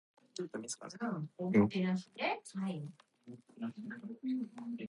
"Spiral" is a magazine focused on genre fiction.